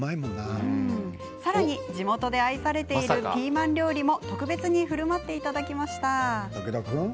さらに地元で愛されているピーマン料理も特別にふるまってくれました。